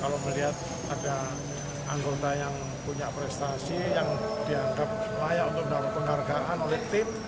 kalau melihat ada anggota yang punya prestasi yang dianggap layak untuk mendapat penghargaan oleh tim